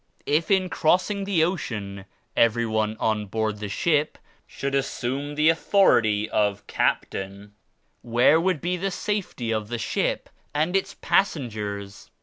If in crossing the ocean everyone on board the ship should assume the authority of captain, where would be the safety of the ship and its passengers?